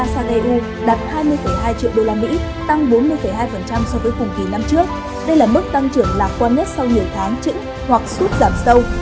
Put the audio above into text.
sau nhiều tháng trứng hoặc suốt giảm sâu